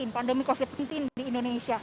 pandemi covid sembilan belas di indonesia